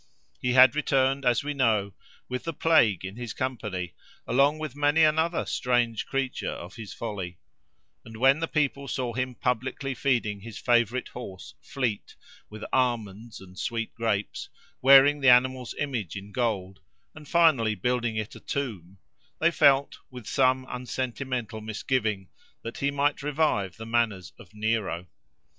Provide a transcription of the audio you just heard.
He had returned, as we know, with the plague in his company, along with many another strange creature of his folly; and when the people saw him publicly feeding his favourite horse Fleet with almonds and sweet grapes, wearing the animal's image in gold, and finally building it a tomb, they felt, with some un sentimental misgiving, that he might revive the manners of Nero.